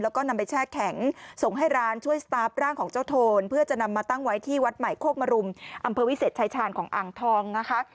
แล้วก็นำไปแช่แข็งส่งให้ร้านช่วยสตาร์ฟร่างของเจ้าโทนเพื่อจะนำมาตั้งไว้ที่วัดใหม่โคกมรุมอำเภอวิเศษชายชาญของอ่างทองนะคะ